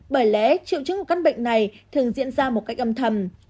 bởi lẽ triệu chứng của căn bệnh này thường diễn ra một cách âm thầm